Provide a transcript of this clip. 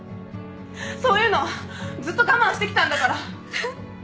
そういうのずっと我慢してきたんだから。